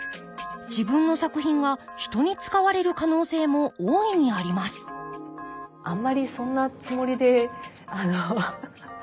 自分の作品が人に使われる可能性も大いにありますうん。